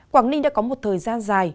quảng ninh đã có một thời gian dài